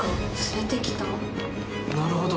なるほど。